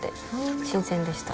新鮮でした。